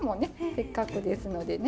せっかくですのでね。